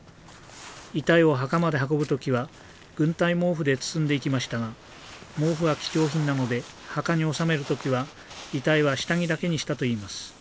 遺体を墓まで運ぶ時は軍隊毛布で包んでいきましたが毛布は貴重品なので墓におさめる時は遺体は下着だけにしたといいます。